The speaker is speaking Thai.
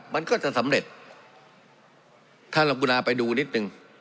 มันก็จะสำเร็จถ้าเรากุณาไปดูนิดนึง